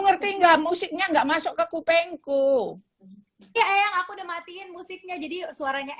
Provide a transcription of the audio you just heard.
ngerti enggak musiknya enggak masuk ke kupengku ya eyang aku udah matiin musiknya jadi suaranya